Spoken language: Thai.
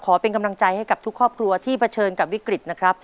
เป็นกำลังใจให้กับทุกครอบครัวที่เผชิญกับวิกฤตนะครับ